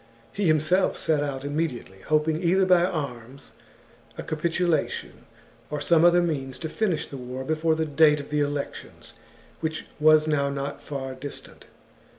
He himself set out immediately, hoping either by arms, a capitulation, or some other means to finish the war before the date of the elections, which was now not far distant.